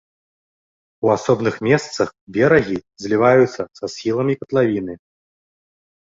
У асобных месцах берагі зліваюцца са схіламі катлавіны.